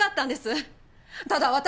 ただ私。